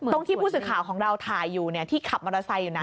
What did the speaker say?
ที่ผู้สื่อข่าวของเราถ่ายอยู่ที่ขับมอเตอร์ไซค์อยู่นะ